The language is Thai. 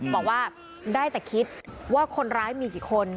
บอกว่าได้แต่คิดว่าคนร้ายมีกี่คน